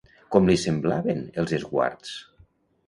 Com li semblaven els esguards?